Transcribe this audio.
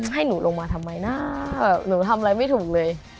ให้หนูลงมาทำไมนะหนูทำอะไรไม่ถูกเลย